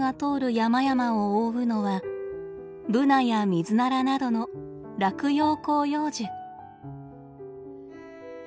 山々を覆うのはブナやミズナラなどの落葉広葉樹。